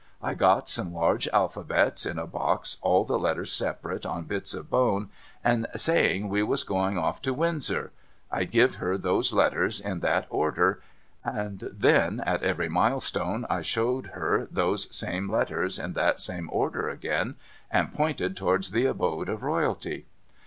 I got some large alphabets in a box, all the letters separate on bits of bone, and saying we was going to Windsor, I give her those letters in that order, and then at every milestone I showed her those same letters in that same order again, and pointed towards the abode of royalty.